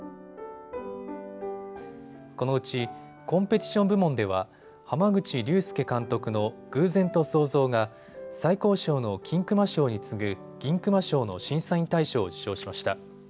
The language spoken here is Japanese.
このうちコンペティション部門では濱口竜介監督の偶然と想像が最高賞の金熊賞に次ぐ銀熊賞の審査員大賞を受賞しました。